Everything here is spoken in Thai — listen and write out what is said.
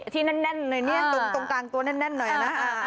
ที่แน่นหน่อยตรงกลางตัวแน่นหน่อยนะ